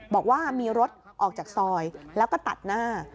บอกว่ามีรถออกจากซอยแล้วก็ตัดหน้า